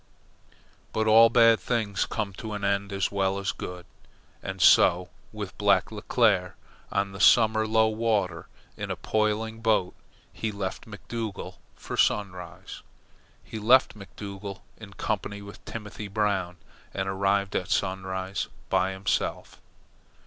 But all bad things come to an end as well as good, and so with Black Leclere. On the summer low water, in a poling boat, he left McDougall for Sunrise. He left McDougall in company with Timothy Brown, and arrived at Sunrise by himself.